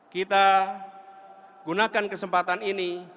kita gunakan kesempatan ini